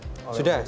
sudah sudah kita